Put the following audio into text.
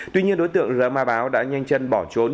tuy nhiên đối tượng rờ ma báo đã nhanh chân bỏ trốn